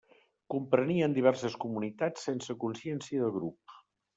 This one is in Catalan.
Comprenien diverses comunitats sense consciència de grup.